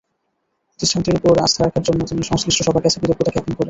প্রতিষ্ঠানটির ওপর আস্থা রাখার জন্য তিনি সংশ্লিষ্ট সবার কাছে কৃতজ্ঞতা জ্ঞাপন করেন।